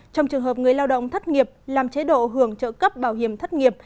trong trường hợp người lao động thất nghiệp làm chế độ hưởng trợ cấp bảo hiểm thất nghiệp